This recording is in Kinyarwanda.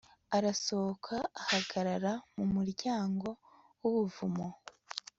arasohoka ahagarara mu muryango wubuvumo